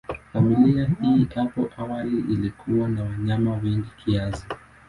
Familia hii hapo awali ilikuwa na wanyama wengi kiasi.